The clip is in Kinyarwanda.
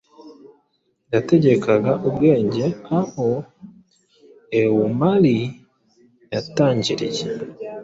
Yategekaga ubwengeaho Eomæri yatangiriye